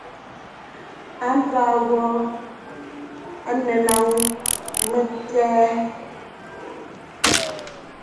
Ampâ wɔ̄ ànə̀n mə têê.